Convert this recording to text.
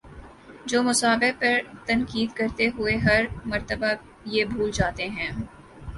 جو مصباح پر تنقید کرتے ہوئے ہر مرتبہ یہ بھول جاتے ہیں